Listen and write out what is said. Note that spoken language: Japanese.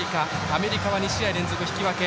アメリカは２試合連続引き分け。